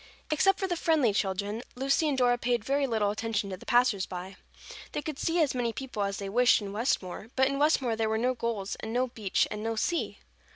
Except for the friendly children, Lucy and Dora paid very little attention to the passers by. They could see as many people as they wished in Westmore, but in Westmore there were no gulls and no beach and no sea.